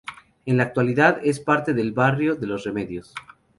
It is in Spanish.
En la actualidad, es parte del barrio de Los Remedios.